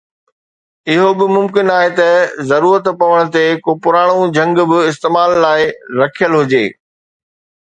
اهو به ممڪن آهي ته ضرورت پوڻ تي ڪو پراڻو جهنگ به استعمال لاءِ رکيل هجي.